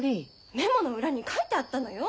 メモの裏に書いてあったのよ。